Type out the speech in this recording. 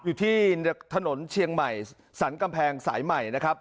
อยู่ที่ถนนเชียงใหม่สรรกำแพงสายใหม่นะครับ